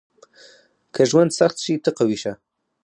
• که ژوند سخت شي، ته قوي شه.